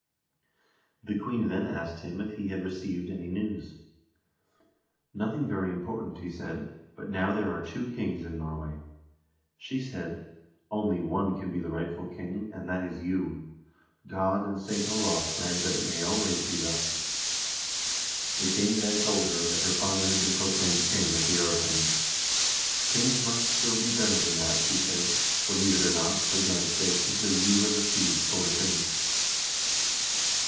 The queen then asked him if he had received any news. 'Nothing very important,' he said, 'but now there are two kings in Norway.' She said : 'Only one can be the rightful king, and that is you. God and St. Olav grant that it may always be thus !' The king then told her that her father had been proclaimed king at the 0rething. 'Things must still be better than that,' she said; 'believe it not, for God's sake, until you have received full assurance.'